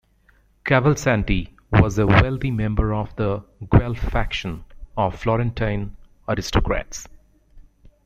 Cavalcanti was a wealthy member of the Guelph faction of Florentine aristocrats.